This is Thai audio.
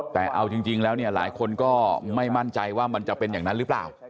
แต่เอาจริงแล้วเนี่ยหลายคนก็ไม่มั่นใจว่ามันจะเป็นอย่างนั้นหรือเปล่า